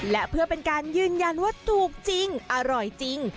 และเพื่อเป็นการยืนยันว่าถูกจริงอร่อยจริง